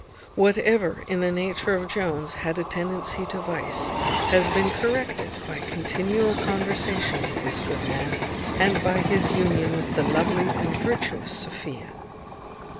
Whatever in the nature of Jones had a tendency to vice, has been corrected by continual conversation with this good man, and by his union with the lovely and virtuous Sophia.